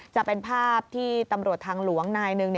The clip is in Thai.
จะเป็นภาพที่ตำรวจทางหลวงนายหนึ่ง